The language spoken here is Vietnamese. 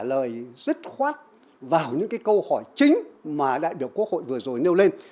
trả lời dứt khoát vào những câu hỏi chính mà đại biểu quốc hội vừa rồi nêu lên